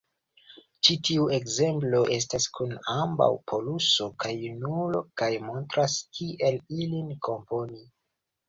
Ĉi tiu ekzemplo estas kun ambaŭ poluso kaj nulo kaj montras kiel ilin komponi.